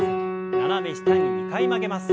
斜め下に２回曲げます。